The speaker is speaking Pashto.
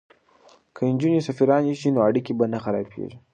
که نجونې سفیرانې شي نو اړیکې به نه خرابیږي.